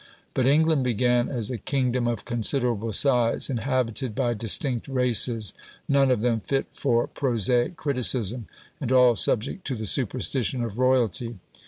But England began as a kingdom of considerable size, inhabited by distinct races, none of them fit for prosaic criticism, and all subject to the superstition of royalty.